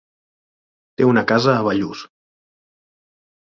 Té una casa a Bellús.